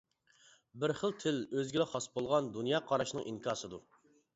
بىر خىل تىل ئۆزىگىلا خاس بولغان دۇنيا قاراشنىڭ ئىنكاسىدۇر.